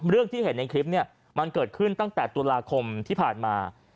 ที่เห็นในคลิปเนี่ยมันเกิดขึ้นตั้งแต่ตุลาคมที่ผ่านมา